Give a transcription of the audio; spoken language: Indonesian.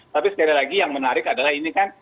tapi sekali lagi yang menarik adalah ini kan